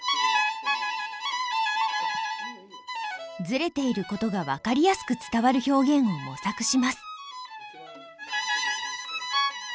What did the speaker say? ずれていることが分かりやすく伝わる表現を模索します。